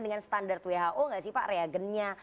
dengan standar who enggak sih pak reagen nya